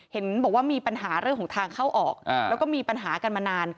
เห็นบอกว่ามีปัญหาเรื่องของทางเข้าออกแล้วก็มีปัญหากันมานาน